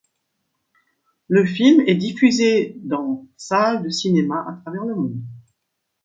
Le film est diffusé dans salles de cinéma à travers le monde.